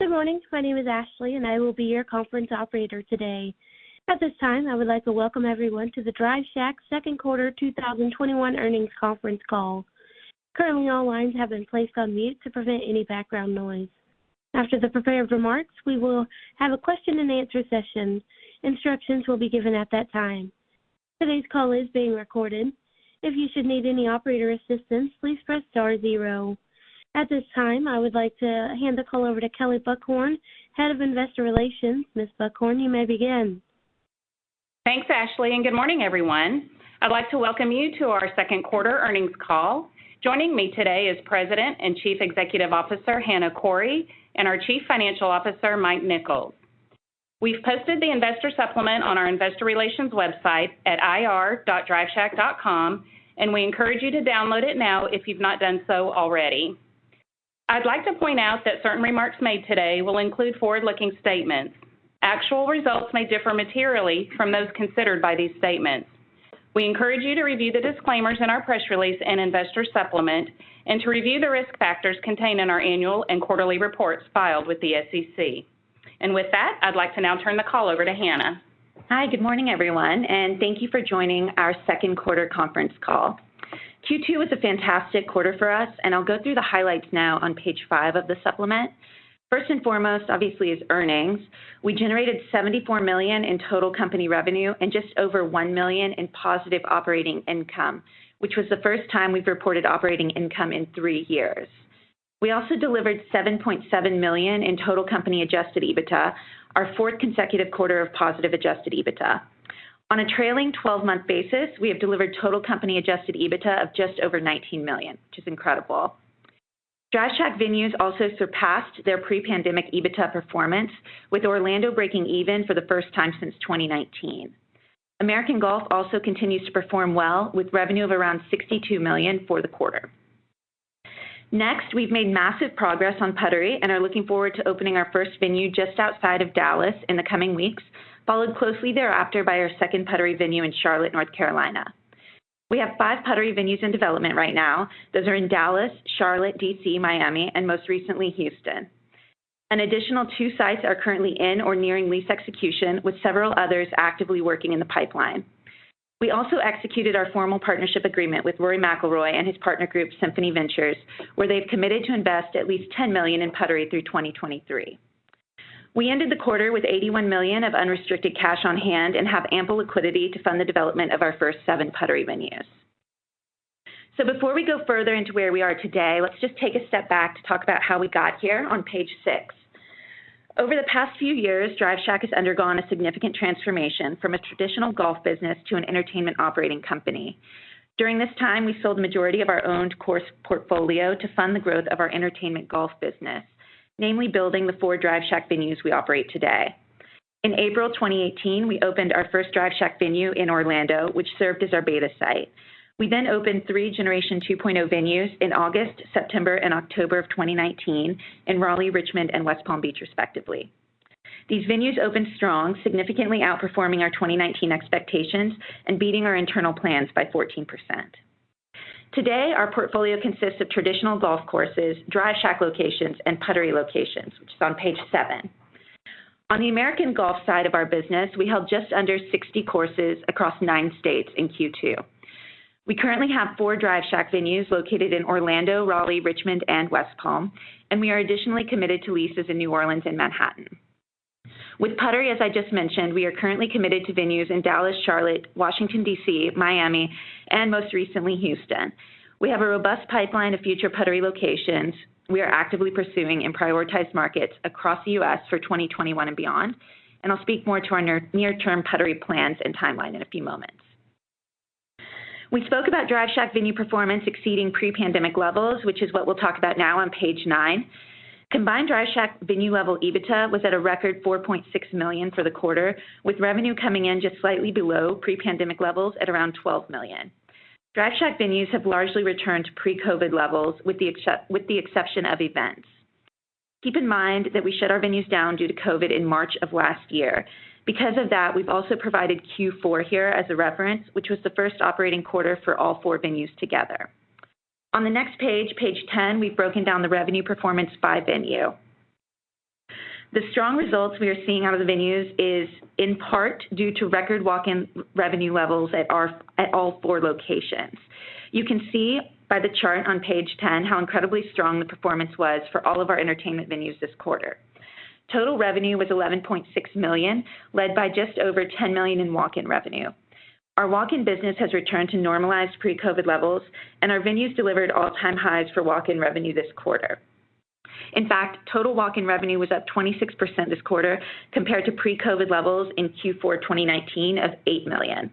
Good morning. My name is Ashley, and I will be your conference operator today. At this time, I would like to welcome everyone to the Drive Shack Second Quarter 2021 Earnings Conference Call. Currently, all lines have been placed on mute to prevent any background noise. After the prepared remarks, we will have a question-and-answer session. Instructions will be given at that time. Today's call is being recorded. If you should need any operator assistance, please press star zero. At this time, I would like to hand the call over to Kelley Buchhorn, Head of Investor Relations. Ms. Buchhorn, you may begin. Thanks, Ashley. Good morning, everyone. I'd like to welcome you to our second quarter earnings call. Joining me today is President and Chief Executive Officer, Hana Khouri, and our Chief Financial Officer, Mike Nichols. We've posted the investor supplement on our investor relations website at ir.driveshack.com, and we encourage you to download it now if you've not done so already. I'd like to point out that certain remarks made today will include forward-looking statements. Actual results may differ materially from those considered by these statements. We encourage you to review the disclaimers in our press release and investor supplement and to review the risk factors contained in our annual and quarterly reports filed with the SEC. With that, I'd like to now turn the call over to Hana. Hi, good morning, everyone, and thank you for joining our second quarter conference call. Q2 was a fantastic quarter for us, and I'll go through the highlights now on page five of the supplement. First and foremost, obviously, is earnings. We generated $74 million in total company revenue and just over $1 million in positive operating income, which was the first time we've reported operating income in three years. We also delivered $7.7 million in total company adjusted EBITDA, our fourth consecutive quarter of positive adjusted EBITDA. On a trailing 12-month basis, we have delivered total company adjusted EBITDA of just over $19 million, which is incredible. Drive Shack venues also surpassed their pre-pandemic EBITDA performance, with Orlando breaking even for the first time since 2019. American Golf also continues to perform well, with revenue of around $62 million for the quarter. Next, we've made massive progress on Puttery and are looking forward to opening our first venue just outside of Dallas in the coming weeks, followed closely thereafter by our second Puttery venue in Charlotte, North Carolina. We have five Puttery venues in development right now. Those are in Dallas, Charlotte, D.C., Miami, and most recently, Houston. An additional two sites are currently in or nearing lease execution, with several others actively working in the pipeline. We also executed our formal partnership agreement with Rory McIlroy and his partner group, Symphony Ventures, where they've committed to invest at least $10 million in Puttery through 2023. We ended the quarter with $81 million of unrestricted cash on hand and have ample liquidity to fund the development of our first seven Puttery venues. Before we go further into where we are today, let's just take a step back to talk about how we got here on page six. Over the past few years, Drive Shack has undergone a significant transformation from a traditional golf business to an entertainment operating company. During this time, we sold the majority of our owned course portfolio to fund the growth of our Entertainment Golf business, namely building the four Drive Shack venues we operate today. In April 2018, we opened our first Drive Shack venue in Orlando, which served as our beta site. We opened three generation 2.0 venues in August, September, and October of 2019 in Raleigh, Richmond, and West Palm Beach, respectively. These venues opened strong, significantly outperforming our 2019 expectations and beating our internal plans by 14%. Today, our portfolio consists of traditional golf courses, Drive Shack locations, and Puttery locations, which is on page seven. On the American Golf side of our business, we held just under 60 courses across nine states in Q2. We currently have four Drive Shack venues located in Orlando, Raleigh, Richmond, and West Palm. We are additionally committed to leases in New Orleans and Manhattan. With Puttery, as I just mentioned, we are currently committed to venues in Dallas, Charlotte, Washington, D.C., Miami, and most recently, Houston. We have a robust pipeline of future Puttery locations. We are actively pursuing in prioritized markets across the U.S. for 2021 and beyond. I'll speak more to our near-term Puttery plans and timeline in a few moments. We spoke about Drive Shack venue performance exceeding pre-pandemic levels, which is what we'll talk about now on page nine. Combined Drive Shack venue-level EBITDA was at a record $4.6 million for the quarter, with revenue coming in just slightly below pre-pandemic levels at around $12 million. Drive Shack venues have largely returned to pre-COVID levels with the exception of events. Keep in mind that we shut our venues down due to COVID in March of last year. Because of that, we've also provided Q4 here as a reference, which was the first operating quarter for all four venues together. On the next page 10, we've broken down the revenue performance by venue. The strong results we are seeing out of the venues is in part due to record walk-in revenue levels at all four locations. You can see by the chart on page 10 how incredibly strong the performance was for all of our entertainment venues this quarter. Total revenue was $11.6 million, led by just over $10 million in walk-in revenue. Our walk-in business has returned to normalized pre-COVID levels, and our venues delivered all-time highs for walk-in revenue this quarter. Total walk-in revenue was up 26% this quarter compared to pre-COVID levels in Q4 2019 of $8 million.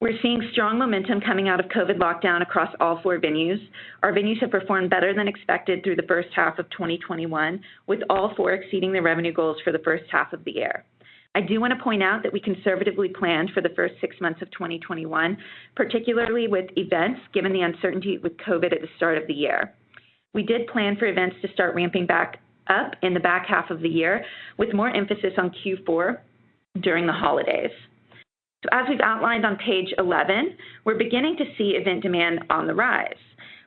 We're seeing strong momentum coming out of COVID lockdown across all four venues. Our venues have performed better than expected through the first half of 2021, with all four exceeding their revenue goals for the first half of the year. I do want to point out that we conservatively planned for the first six months of 2021, particularly with events, given the uncertainty with COVID at the start of the year. We did plan for events to start ramping back up in the back half of the year, with more emphasis on Q4 during the holidays. As we've outlined on page 11, we're beginning to see event demand on the rise.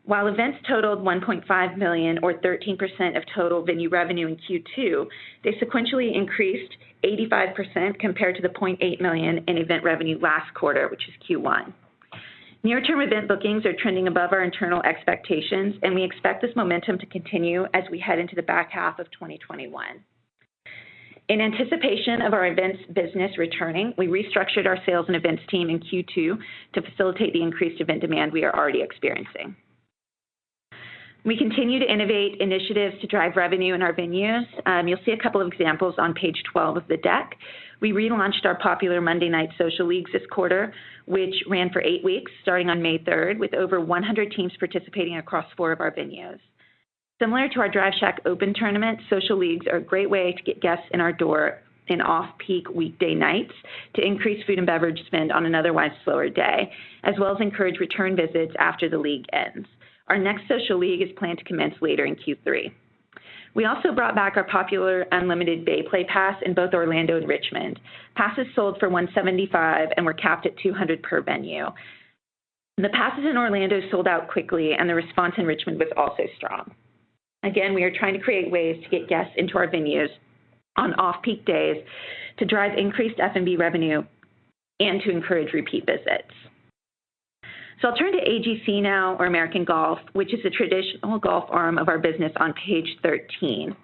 While events totaled $1.5 million or 13% of total venue revenue in Q2, they sequentially increased 85% compared to the $0.8 million in event revenue last quarter, which is Q1. Near-term event bookings are trending above our internal expectations, and we expect this momentum to continue as we head into the back half of 2021. In anticipation of our events business returning, we restructured our sales and events team in Q2 to facilitate the increased event demand we are already experiencing. We continue to innovate initiatives to drive revenue in our venues. You'll see a couple of examples on page 12 of the deck. We relaunched our popular Monday Night Social Leagues this quarter, which ran for eight weeks starting on May 3rd, with over 100 teams participating across four of our venues. Similar to our Drive Shack Open tournament, social leagues are a great way to get guests in our door in off-peak weekday nights to increase food and beverage spend on an otherwise slower day, as well as encourage return visits after the league ends. Our next social league is planned to commence later in Q3. We also brought back our popular Unlimited Bay Play Pass in both Orlando and Richmond. Passes sold for $175 and were capped at $200 per venue. The passes in Orlando sold out quickly, and the response in Richmond was also strong. We are trying to create ways to get guests into our venues on off-peak days to drive increased F&B revenue and to encourage repeat visits. I'll turn to AGC now, or American Golf, which is the traditional golf arm of our business on page 13.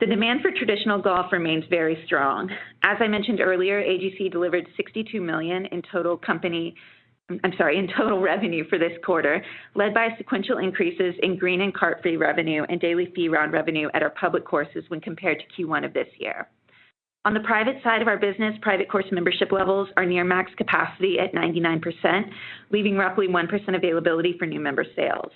The demand for traditional golf remains very strong. As I mentioned earlier, AGC delivered $62 million in total revenue for this quarter, led by sequential increases in green and cart fee revenue and daily fee round revenue at our public courses when compared to Q1 of this year. On the private side of our business, private course membership levels are near max capacity at 99%, leaving roughly 1% availability for new member sales.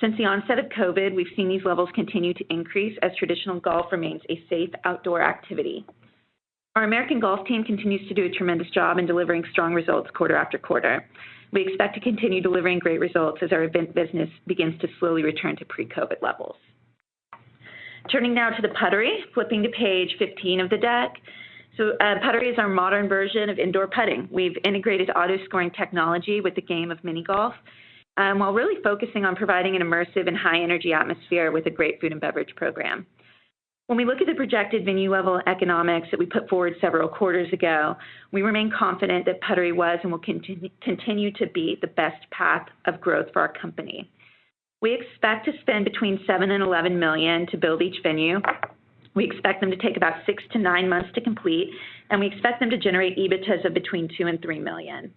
Since the onset of COVID, we've seen these levels continue to increase as traditional golf remains a safe outdoor activity. Our American Golf team continues to do a tremendous job in delivering strong results quarter after quarter. We expect to continue delivering great results as our event business begins to slowly return to pre-COVID levels. Turning now to the Puttery, flipping to page 15 of the deck. Puttery is our modern version of indoor putting. We've integrated auto-scoring technology with the game of mini golf, while really focusing on providing an immersive and high-energy atmosphere with a great food and beverage program. When we look at the projected venue level economics that we put forward several quarters ago, we remain confident that Puttery was and will continue to be the best path of growth for our company. We expect to spend between $7 million and $11 million to build each venue. We expect them to take about six to nine months to complete, and we expect them to generate EBITDAs of between $2 million and $3 million.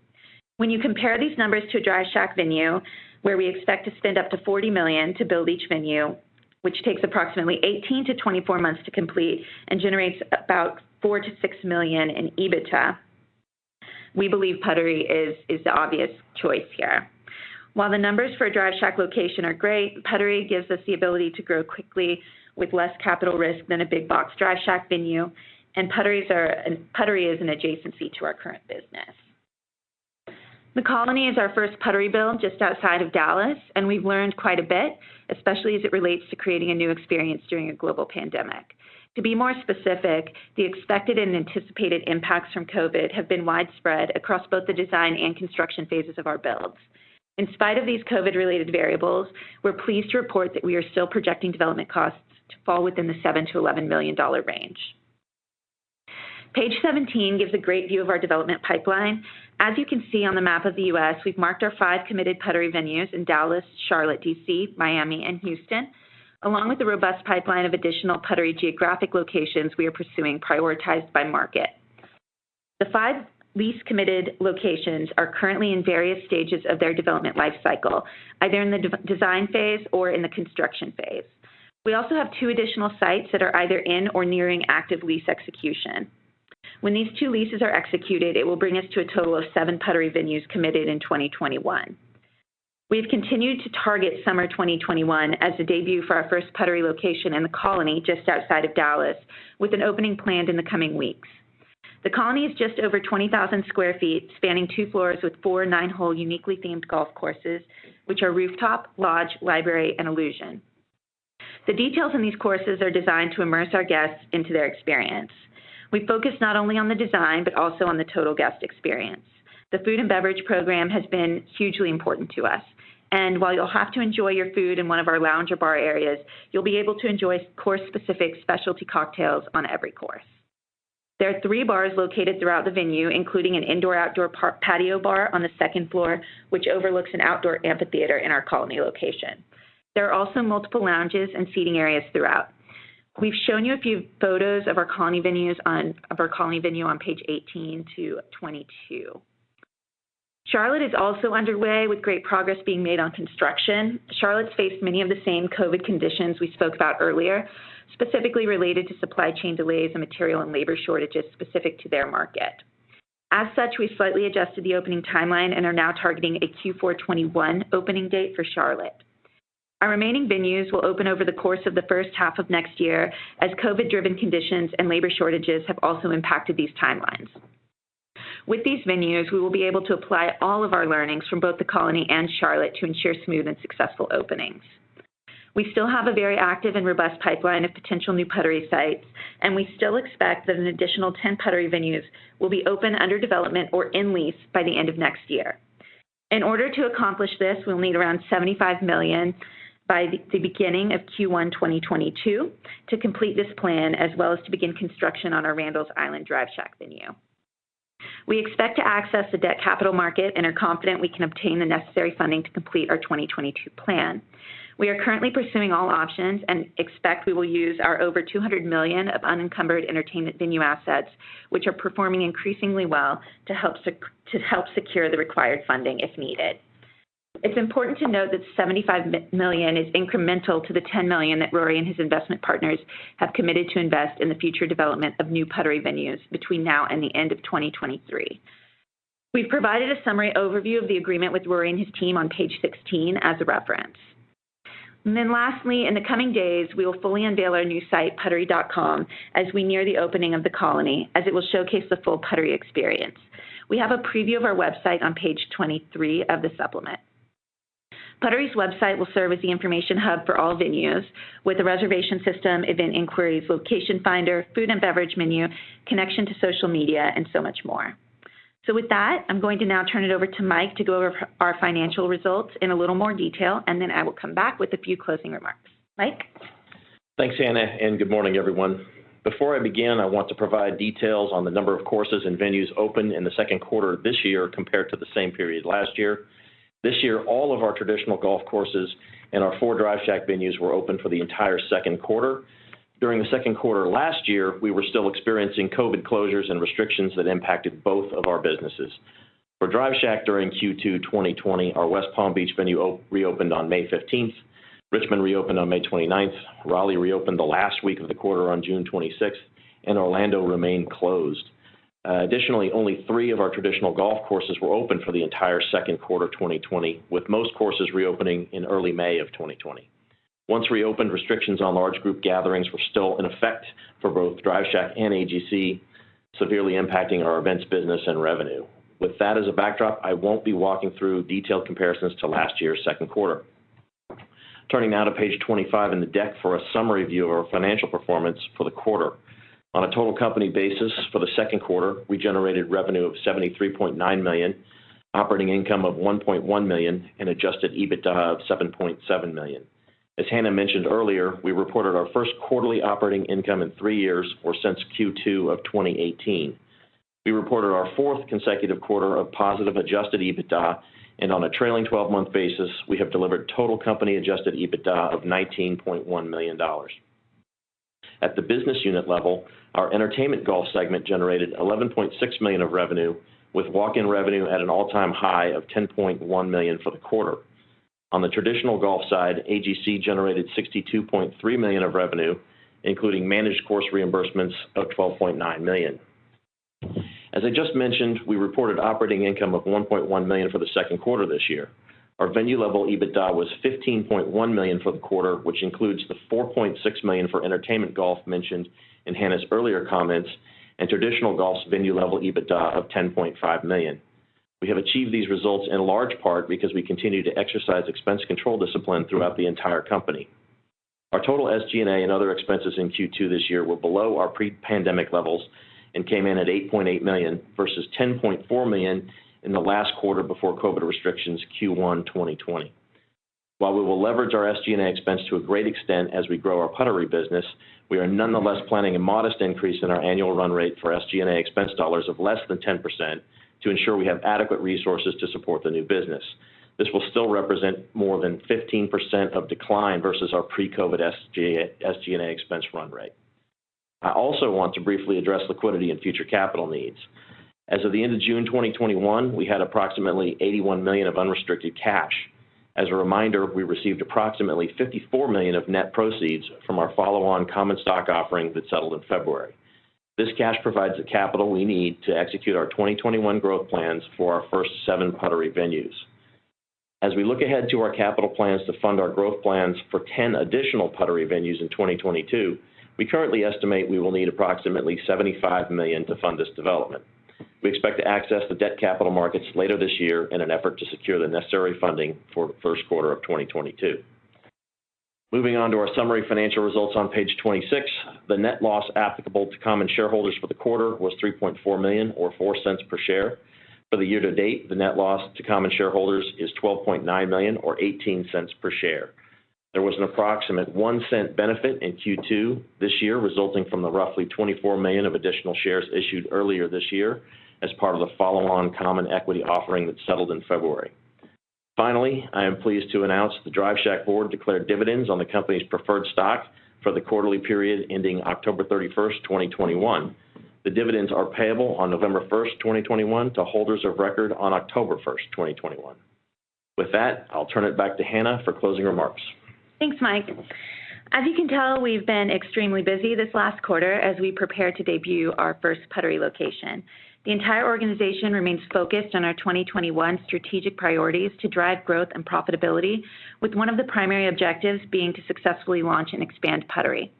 When you compare these numbers to a Drive Shack venue, where we expect to spend up to $40 million to build each venue, which takes approximately 18-24 months to complete and generates about $4 million-$6 million in EBITDA, we believe Puttery is the obvious choice here. While the numbers for a Drive Shack location are great, Puttery gives us the ability to grow quickly with less capital risk than a big box Drive Shack venue, and Puttery is an adjacency to our current business. The Colony is our first Puttery build just outside of Dallas, and we've learned quite a bit, especially as it relates to creating a new experience during a global pandemic. To be more specific, the expected and anticipated impacts from COVID have been widespread across both the design and construction phases of our builds. In spite of these COVID-related variables, we're pleased to report that we are still projecting development costs to fall within the $7 million-$11 million range. Page 17 gives a great view of our development pipeline. As you can see on the map of the U.S., we've marked our five committed Puttery venues in Dallas, Charlotte, D.C., Miami, and Houston, along with the robust pipeline of additional Puttery geographic locations we are pursuing prioritized by market. The five lease-committed locations are currently in various stages of their development life cycle, either in the design phase or in the construction phase. We also have two additional sites that are either in or nearing active lease execution. When these two leases are executed, it will bring us to a total of seven Puttery venues committed in 2021. We've continued to target summer 2021 as the debut for our first Puttery location in The Colony just outside of Dallas, with an opening planned in the coming weeks. The Colony is just over 20,000 sq ft, spanning two floors with four nine-hole uniquely themed golf courses, which are Rooftop, Lodge, Library, and Illusion. The details in these courses are designed to immerse our guests into their experience. We focus not only on the design, but also on the total guest experience. The food and beverage program has been hugely important to us, and while you'll have to enjoy your food in one of our lounge or bar areas, you'll be able to enjoy course-specific specialty cocktails on every course. There are three bars located throughout the venue, including an indoor-outdoor patio bar on the second floor, which overlooks an outdoor amphitheater in our Colony location. There are also multiple lounges and seating areas throughout. We've shown you a few photos of our Colony venue on page 18 to 22. Charlotte is also underway with great progress being made on construction. Charlotte's faced many of the same COVID conditions we spoke about earlier, specifically related to supply chain delays and material and labor shortages specific to their market. As such, we slightly adjusted the opening timeline and are now targeting a Q4 2021 opening date for Charlotte. Our remaining venues will open over the course of the first half of next year, as COVID-driven conditions and labor shortages have also impacted these timelines. With these venues, we will be able to apply all of our learnings from both The Colony and Charlotte to ensure smooth and successful openings. We still have a very active and robust pipeline of potential new Puttery sites, and we still expect that an additional 10 Puttery venues will be open, under development, or in lease by the end of next year. In order to accomplish this, we'll need around $75 million by the beginning of Q1 2022 to complete this plan, as well as to begin construction on our Randall's Island Drive Shack venue. We expect to access the debt capital market and are confident we can obtain the necessary funding to complete our 2022 plan. We are currently pursuing all options and expect we will use our over $200 million of unencumbered entertainment venue assets, which are performing increasingly well to help secure the required funding if needed. It's important to note that $75 million is incremental to the $10 million that Rory and his investment partners have committed to invest in the future development of new Puttery venues between now and the end of 2023. We've provided a summary overview of the agreement with Rory and his team on page 16 as a reference. Lastly, in the coming days, we will fully unveil our new site, puttery.com, as we near the opening of The Colony, as it will showcase the full Puttery experience. We have a preview of our website on page 23 of the supplement. Puttery's website will serve as the information hub for all venues with a reservation system, event inquiries, location finder, food and beverage menu, connection to social media, and so much more. With that, I'm going to now turn it over to Mike to go over our financial results in a little more detail, and then I will come back with a few closing remarks. Mike? Thanks, Hana. Good morning, everyone. Before I begin, I want to provide details on the number of courses and venues open in the second quarter of this year compared to the same period last year. This year, all of our traditional golf courses and our four Drive Shack venues were open for the entire second quarter. During the second quarter last year, we were still experiencing COVID closures and restrictions that impacted both of our businesses. For Drive Shack during Q2 2020, our West Palm Beach venue reopened on May 15th. Richmond reopened on May 29th. Raleigh reopened the last week of the quarter on June 26th, and Orlando remained closed. Additionally, only three of our traditional golf courses were open for the entire second quarter 2020, with most courses reopening in early May of 2020. Once reopened, restrictions on large group gatherings were still in effect for both Drive Shack and AGC, severely impacting our events business and revenue. With that as a backdrop, I won't be walking through detailed comparisons to last year's second quarter. Turning now to page 25 in the deck for a summary view of our financial performance for the quarter. On a total company basis for the second quarter, we generated revenue of $73.9 million, operating income of $1.1 million, and adjusted EBITDA of $7.7 million. As Hana mentioned earlier, we reported our first quarterly operating income in three years, or since Q2 of 2018. We reported our fourth consecutive quarter of positive adjusted EBITDA, and on a trailing 12-month basis, we have delivered total company adjusted EBITDA of $19.1 million. At the business unit level, our Entertainment Golf segment generated $11.6 million of revenue, with walk-in revenue at an all-time high of $10.1 million for the quarter. On the traditional golf side, AGC generated $62.3 million of revenue, including managed course reimbursements of $12.9 million. As I just mentioned, we reported operating income of $1.1 million for the second quarter this year. Our venue level EBITDA was $15.1 million for the quarter, which includes the $4.6 million for Entertainment Golf mentioned in Hana's earlier comments, and traditional golf's venue level EBITDA of $10.5 million. We have achieved these results in large part because we continue to exercise expense control discipline throughout the entire company. Our total SG&A and other expenses in Q2 this year were below our pre-pandemic levels and came in at $8.8 million versus $10.4 million in the last quarter before COVID restrictions, Q1 2020. While we will leverage our SG&A expense to a great extent as we grow our Puttery business, we are nonetheless planning a modest increase in our annual run rate for SG&A expense dollars of less than 10% to ensure we have adequate resources to support the new business. This will still represent more than 15% of decline versus our pre-COVID SG&A expense run rate. I also want to briefly address liquidity and future capital needs. As of the end of June 2021, we had approximately $81 million of unrestricted cash. As a reminder, we received approximately $54 million of net proceeds from our follow-on common stock offering that settled in February. This cash provides the capital we need to execute our 2021 growth plans for our first seven Puttery venues. As we look ahead to our capital plans to fund our growth plans for 10 additional Puttery venues in 2022, we currently estimate we will need approximately $75 million to fund this development. We expect to access the debt capital markets later this year in an effort to secure the necessary funding for the first quarter of 2022. Moving on to our summary financial results on page 26. The net loss applicable to common shareholders for the quarter was $3.4 million or $0.04 per share. For the year to date, the net loss to common shareholders is $12.9 million or $0.18 per share. There was an approximate $0.01 benefit in Q2 this year, resulting from the roughly $24 million of additional shares issued earlier this year as part of the follow-on common equity offering that settled in February. Finally, I am pleased to announce the Drive Shack board declared dividends on the company's preferred stock for the quarterly period ending October 31st, 2021. The dividends are payable on November 1st, 2021 to holders of record on October 1st, 2021. With that, I'll turn it back to Hana for closing remarks. Thanks, Mike. As you can tell, we've been extremely busy this last quarter as we prepare to debut our first Puttery location. The entire organization remains focused on our 2021 strategic priorities to drive growth and profitability, with one of the primary objectives being to successfully launch and expand Puttery.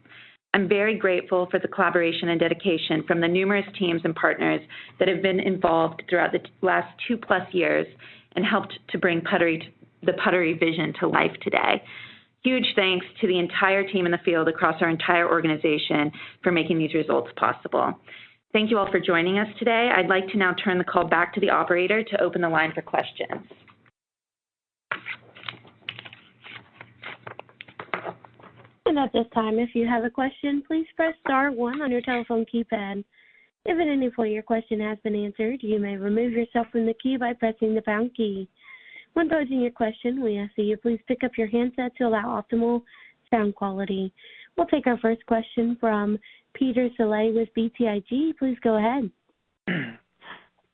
I'm very grateful for the collaboration and dedication from the numerous teams and partners that have been involved throughout the last two-plus years and helped to bring the Puttery vision to life today. Huge thanks to the entire team in the field across our entire organization for making these results possible. Thank you all for joining us today. I'd like to now turn the call back to the operator to open the line for questions. At this time, if you have a question, please press star one on your telephone keypad. If at any point your question has been answered, you may remove yourself from the queue by pressing the pound key. When posing your question, we ask that you please pick up your handset to allow optimal sound quality. We'll take our first question from Peter Saleh with BTIG. Please go ahead.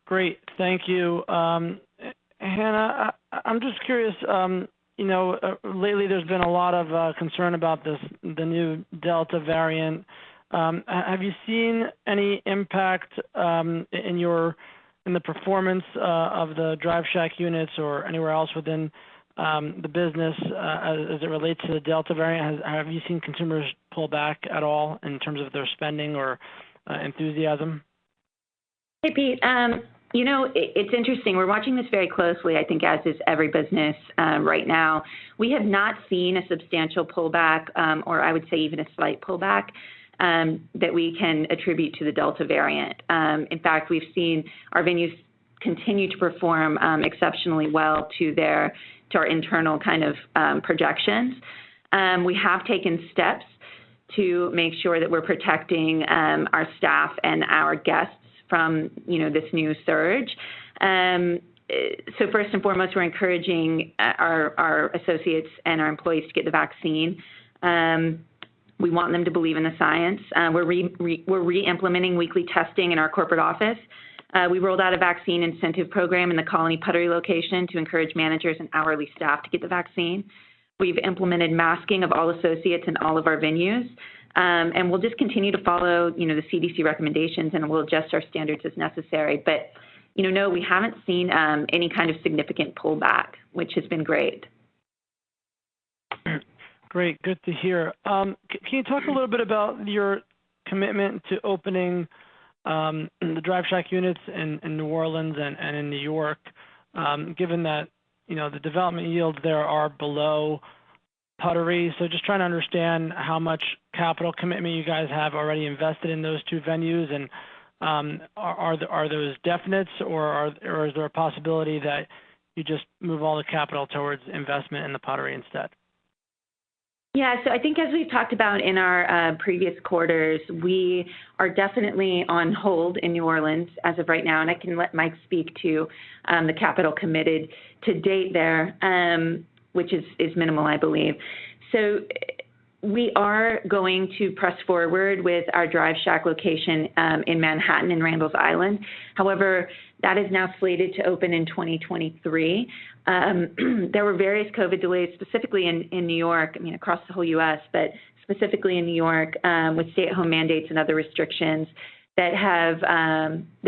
Great. Thank you. Hana, I'm just curious, lately there's been a lot of concern about the new Delta variant. Have you seen any impact in the performance of the Drive Shack units or anywhere else within the business as it relates to the Delta variant? Have you seen consumers pull back at all in terms of their spending or enthusiasm? Hey, Pete. It's interesting. We're watching this very closely, I think as is every business right now. We have not seen a substantial pullback, or I would say even a slight pullback, that we can attribute to the Delta variant. In fact, we've seen our venues continue to perform exceptionally well to our internal projections. We have taken steps to make sure that we're protecting our staff and our guests from this new surge. First and foremost, we're encouraging our associates and our employees to get the vaccine. We want them to believe in the science. We're re-implementing weekly testing in our corporate office. We rolled out a vaccine incentive program in the Colony Puttery location to encourage managers and hourly staff to get the vaccine. We've implemented masking of all associates in all of our venues. We'll just continue to follow the CDC recommendations, and we'll adjust our standards as necessary. No, we haven't seen any kind of significant pullback, which has been great. Great. Good to hear. Can you talk a little bit about your commitment to opening the Drive Shack units in New Orleans and in New York, given that the development yields there are below Puttery. Just trying to understand how much capital commitment you guys have already invested in those two venues, and are those definites, or is there a possibility that you just move all the capital towards investment in the Puttery instead? Yeah. I think as we've talked about in our previous quarters, we are definitely on hold in New Orleans as of right now, and I can let Mike speak to the capital committed to date there, which is minimal, I believe. We are going to press forward with our Drive Shack location in Manhattan, in Randall's Island. However, that is now slated to open in 2023. There were various COVID delays, specifically in New York, I mean, across the whole U.S., but specifically in New York, with stay-at-home mandates and other restrictions that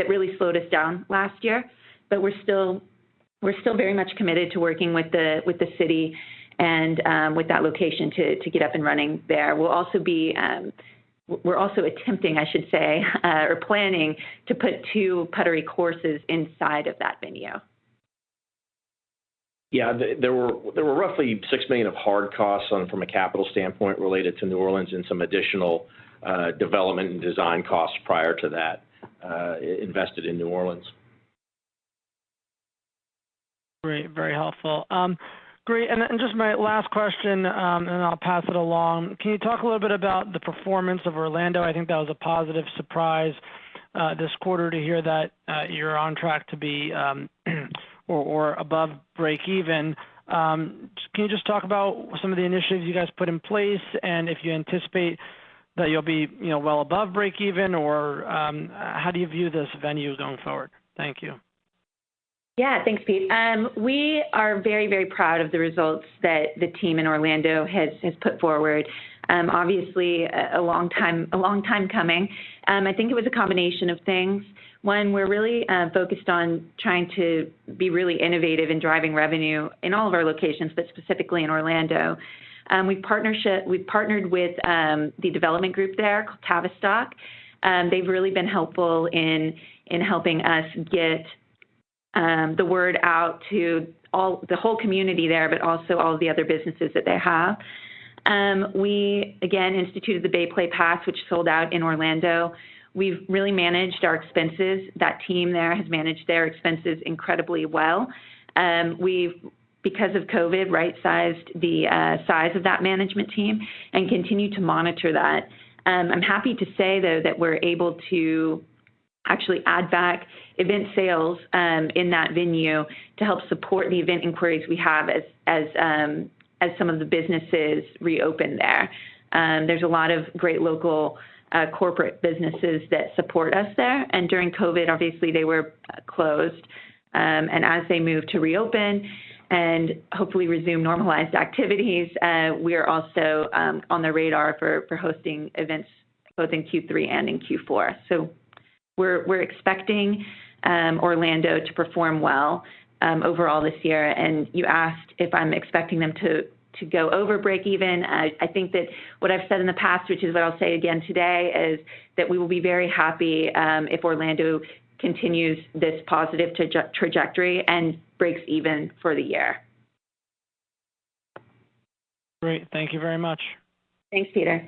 really slowed us down last year. We're still very much committed to working with the city and with that location to get up and running there. We're also attempting, I should say, or planning to put two Puttery courses inside of that venue. Yeah. There were roughly $6 million of hard costs from a capital standpoint related to New Orleans and some additional development and design costs prior to that invested in New Orleans. Great. Very helpful. Great, and just my last question, and then I'll pass it along. Can you talk a little bit about the performance of Orlando? I think that was a positive surprise this quarter to hear that you're on track to be or above breakeven. Can you just talk about some of the initiatives you guys put in place, and if you anticipate that you'll be well above breakeven, or how do you view this venue going forward? Thank you. Yeah. Thanks, Pete. We are very proud of the results that the team in Orlando has put forward. Obviously, a long time coming. I think it was a combination of things. One, we're really focused on trying to be really innovative in driving revenue in all of our locations, but specifically in Orlando. We've partnered with the development group there called Tavistock. They've really been helpful in helping us get the word out to the whole community there, but also all of the other businesses that they have. We, again, instituted the Bay Play Pass, which sold out in Orlando. We've really managed our expenses. That team there has managed their expenses incredibly well. We've, because of COVID, right-sized the size of that management team and continue to monitor that. I'm happy to say, though, that we're able to actually add back event sales in that venue to help support the event inquiries we have as some of the businesses reopen there. There's a lot of great local corporate businesses that support us there, and during COVID, obviously, they were closed. As they move to reopen and hopefully resume normalized activities, we are also on the radar for hosting events both in Q3 and in Q4. We're expecting Orlando to perform well overall this year. You asked if I'm expecting them to go over breakeven. I think that what I've said in the past, which is what I'll say again today, is that we will be very happy if Orlando continues this positive trajectory and breaks even for the year. Great. Thank you very much. Thanks, Peter.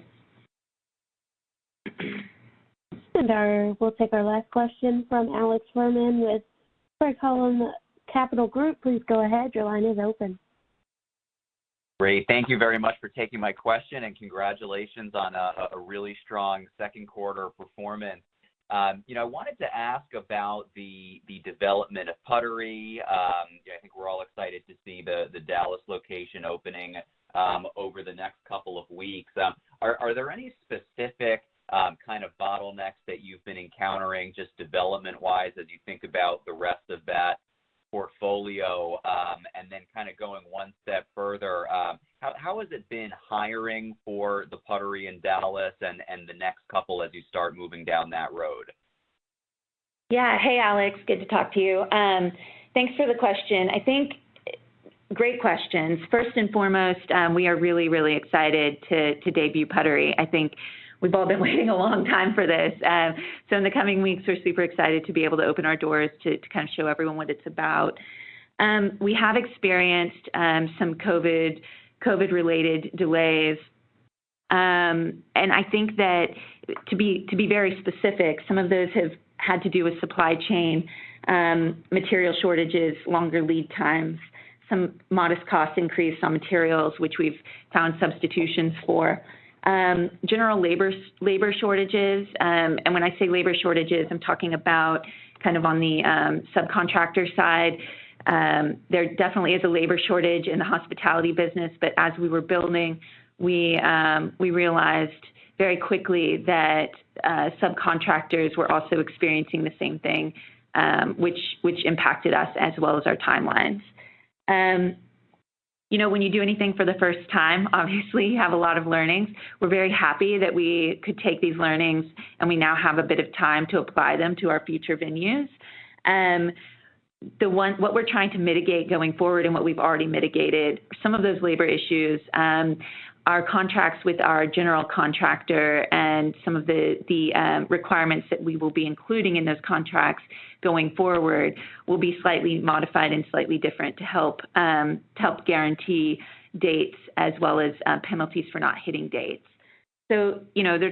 We'll take our last question from Alex Fuhrman with Craig-Hallum Capital Group. Please go ahead. Your line is open. Great. Thank you very much for taking my question, and congratulations on a really strong second quarter performance. I wanted to ask about the development of Puttery. I think we're all excited to see the Dallas location opening over the next couple of weeks. Are there any specific kind of bottlenecks that you've been encountering, just development-wise, as you think about the rest of that portfolio? Then kind of going one step further, how has it been hiring for the Puttery in Dallas and the next couple as you start moving down that road? Hey, Alex. Good to talk to you. Thanks for the question. I think great questions. First and foremost, we are really, really excited to debut Puttery. I think we've all been waiting a long time for this. In the coming weeks, we're super excited to be able to open our doors to kind of show everyone what it's about. We have experienced some COVID-related delays. I think that to be very specific, some of those have had to do with supply chain, material shortages, longer lead times, some modest cost increase on materials, which we've found substitutions for. General labor shortages, when I say labor shortages, I'm talking about kind of on the subcontractor side. There definitely is a labor shortage in the hospitality business. As we were building, we realized very quickly that subcontractors were also experiencing the same thing, which impacted us as well as our timelines. When you do anything for the first time, obviously, you have a lot of learnings. We're very happy that we could take these learnings, and we now have a bit of time to apply them to our future venues. What we're trying to mitigate going forward and what we've already mitigated, some of those labor issues, our contracts with our general contractor and some of the requirements that we will be including in those contracts going forward will be slightly modified and slightly different to help guarantee dates as well as penalties for not hitting dates. There's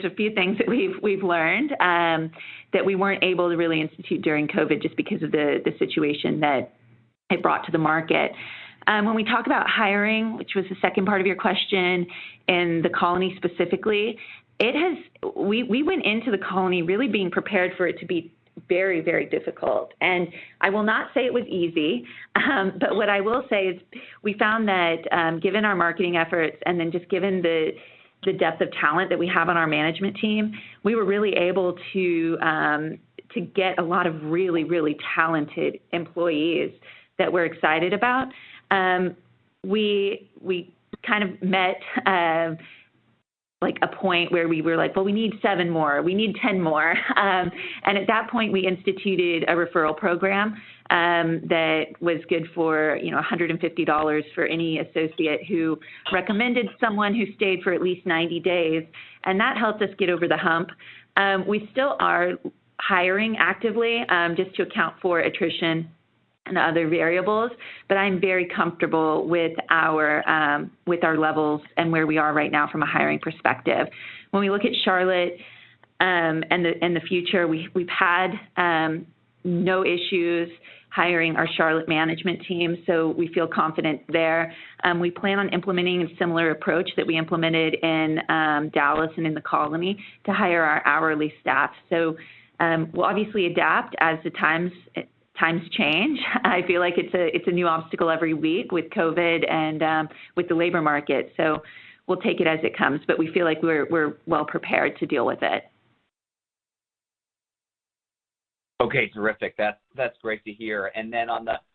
a few things that we've learned that we weren't able to really institute during COVID just because of the situation that it brought to the market. When we talk about hiring, which was the second part of your question, and The Colony specifically, we went into The Colony really being prepared for it to be very difficult. I will not say it was easy, what I will say is we found that given our marketing efforts and then just given the depth of talent that we have on our management team, we were really able to get a lot of really talented employees that we're excited about. We kind of met a point where we were like, "Well, we need seven more. We need 10 more." At that point, we instituted a referral program that was good for $150 for any associate who recommended someone who stayed for at least 90 days, and that helped us get over the hump. We still are hiring actively, just to account for attrition and other variables, but I'm very comfortable with our levels and where we are right now from a hiring perspective. When we look at Charlotte and the future, we've had no issues hiring our Charlotte management team, so we feel confident there. We plan on implementing a similar approach that we implemented in Dallas and in The Colony to hire our hourly staff. We'll obviously adapt as the times change. I feel like it's a new obstacle every week with COVID and with the labor market. We'll take it as it comes, but we feel like we're well prepared to deal with it. Okay, terrific. That's great to hear.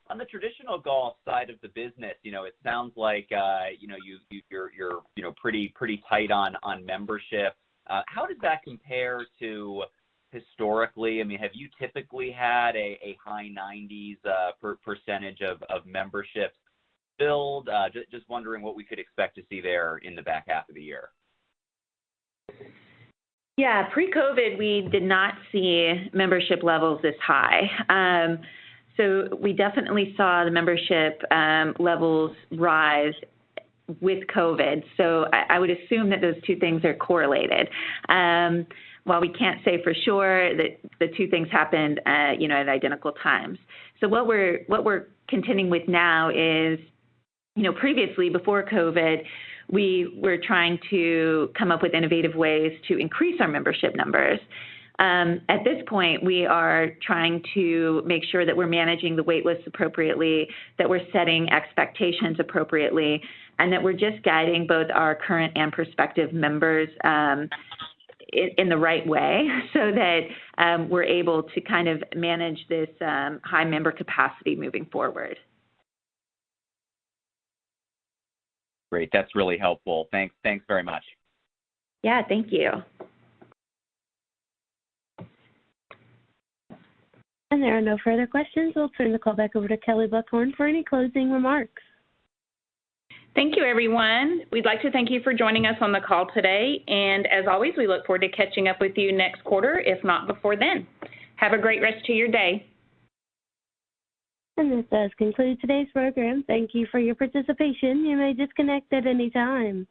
On the traditional golf side of the business, it sounds like you're pretty tight on membership. How does that compare to historically? Have you typically had a high 90s % of membership filled? Just wondering what we could expect to see there in the back half of the year. Yeah. Pre-COVID, we did not see membership levels this high. We definitely saw the membership levels rise with COVID. I would assume that those two things are correlated. While we can't say for sure that the two things happened at identical times. What we're contending with now is previously, before COVID, we were trying to come up with innovative ways to increase our membership numbers. At this point, we are trying to make sure that we're managing the wait lists appropriately, that we're setting expectations appropriately, and that we're just guiding both our current and prospective members in the right way so that we're able to kind of manage this high member capacity moving forward. Great. That's really helpful. Thanks very much. Yeah. Thank you. There are no further questions. I'll turn the call back over to Kelley Buchhorn for any closing remarks. Thank you, everyone. We'd like to thank you for joining us on the call today. As always, we look forward to catching up with you next quarter, if not before then. Have a great rest of your day. This does conclude today's program. Thank you for your participation. You may disconnect at any time.